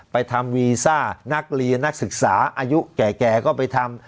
ไปทำวีซ่านักเรียนนักศึกษาอายุแก่ก็ไปทำ